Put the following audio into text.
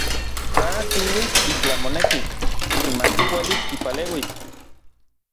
Tla kiluis itlaj moneki, kimati uelis kipaleuis.